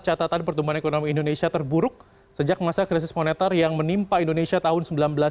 catatan pertumbuhan ekonomi indonesia terburuk sejak masa krisis moneter yang menimpa indonesia tahun seribu sembilan ratus sembilan puluh